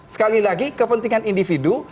sekali lagi kepentingan individu